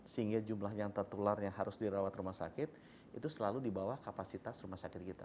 sehingga jumlah yang tertular yang harus dirawat rumah sakit itu selalu di bawah kapasitas rumah sakit kita